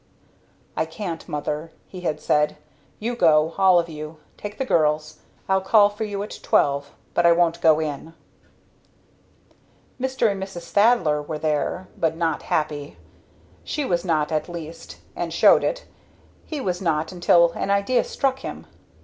"I can't, mother," he had said. "You go all of you. Take the girls. I'll call for you at twelve but I won't go in." Mr. and Mrs. Thaddler were there but not happy. She was not, at least, and showed it; he was not until an idea struck him.